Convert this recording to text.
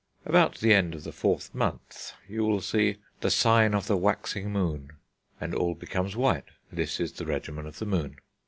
About the end of the fourth month you will see "the sign of the waxing moon," and all becomes white; this is the regimen of the Moon.